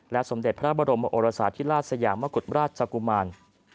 สมเด็จพระบรมโอรสาธิราชสยามกุฎราชกุมาร